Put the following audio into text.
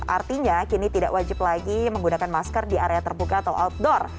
artinya kini tidak wajib lagi menggunakan masker di area terbuka atau outdoor